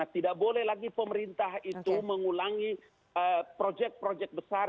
tidak boleh lagi pemerintah itu mengulangi proyek proyek besar